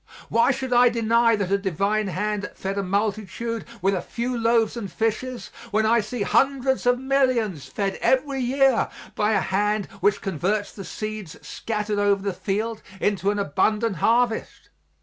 Why should I deny that a divine hand fed a multitude with a few loaves and fishes when I see hundreds of millions fed every year by a hand which converts the seeds scattered over the field into an abundant harvest?